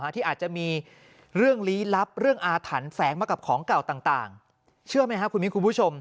ที่อาจจะมีเรื่องลี้ลับเรื่องอาถรรพ์แฝงมากับของเก่าต่างเชื่อไหมครับคุณมิ้นคุณผู้ชม